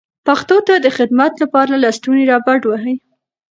پښتو ته د خدمت لپاره لستوڼي را بډ وهئ.